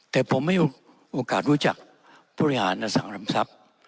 แต่ผมไม่มีโอกาสรู้จักผู้หญาณอสังธรรมทรัพย์